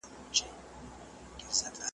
په پسته ژبه يې نه واى نازولى